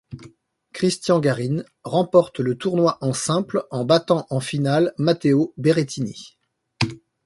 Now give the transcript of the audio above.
Cristian Garín remporte le tournoi en simple en battant en finale Matteo Berrettini.